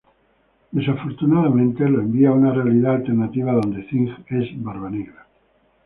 Desafortunadamente, lo envía a una realidad alternativa donde Thing es Barbanegra.